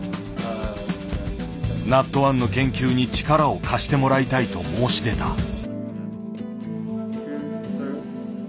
ＮＡＴ１の研究に力を貸してもらいたいと申し出た。